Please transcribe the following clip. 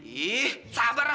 ih sabar lah